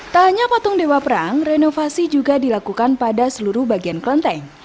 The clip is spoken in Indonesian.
tak hanya patung dewa perang renovasi juga dilakukan pada seluruh bagian kelenteng